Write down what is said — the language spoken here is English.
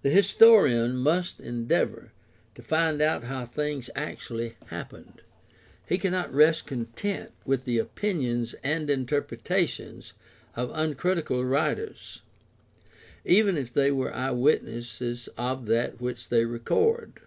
The historian must endeavor to find out how things actually happened ; he cannot rest content with the opinions and interpretations of uncritical writers, even if they were eyewitnesses of that which they record.